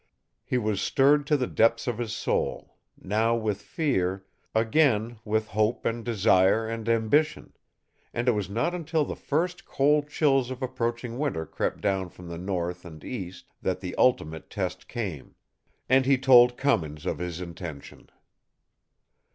He was stirred to the depths of his soul, now with fear, again with hope and desire and ambition; and it was not until the first cold chills of approaching winter crept down from the north and east that the ultimate test came, and he told Cummins of his intention.